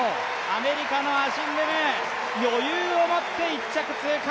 アメリカのアシング・ムー、余裕を持って１着通過。